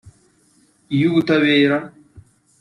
iy’Ubutabera